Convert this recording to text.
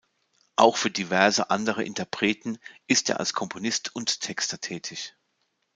Auch für diverse andere Interpreten ist er als Komponist und Texter tätig.